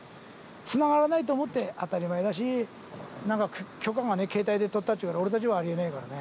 つながらないと思って当たり前だし、なんか許可がね、携帯で取ったって、俺たちはありえないからね。